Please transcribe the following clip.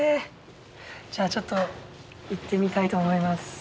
じゃあちょっと行ってみたいと思います。